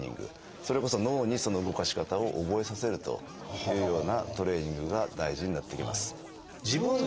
それこそ脳にその動かし方を覚えさせるというようなトレーニングが大事になってきます。